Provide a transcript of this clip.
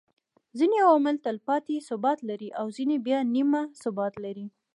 ځيني عوامل تلپاتي ثبات لري او ځيني بيا نيمه ثبات لري